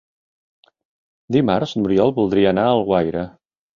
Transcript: Dimarts n'Oriol voldria anar a Alguaire.